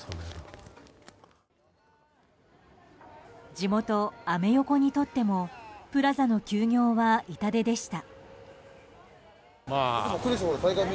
地元アメ横にとってもプラザの休業は痛手でした。